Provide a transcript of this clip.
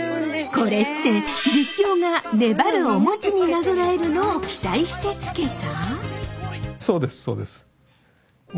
これって実況が粘るおモチになぞらえるのを期待して付けた？